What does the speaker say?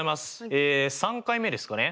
え３回目ですかね。